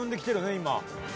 今。